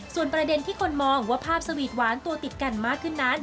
ส่วนประเด็นที่คนมองว่าภาพสวีทหวานตัวติดกันมากขึ้นนั้น